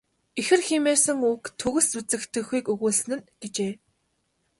Ихэр хэмээсэн үг төгс үзэгдэхүйг өгүүлсэн нь." гэжээ.